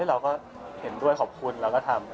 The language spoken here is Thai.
เราก็เห็นด้วยขอบคุณเราก็ทำ